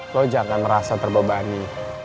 lo jangan merasa terbebani